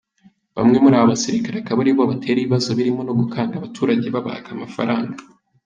Bamwe muri aba basirikare akaba aribo batera ibibazo birimo no gukanga abaturage babaka amafaranga.